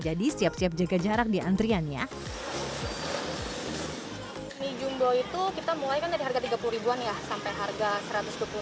jadi siap siap jaga jarak di antriannya di jumbo itu kita mulai dengan harga tiga puluh an